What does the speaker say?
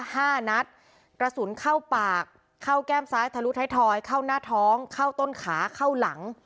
ห้านัดกระสุนเข้าปากเข้าแก้มซ้ายทะลุท้ายทอยเข้าหน้าท้องเข้าต้นขาเข้าหลัง